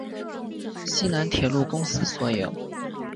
西南铁路公司所有。